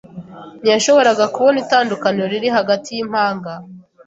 Ntiyashoboraga kubona itandukaniro riri hagati yimpanga.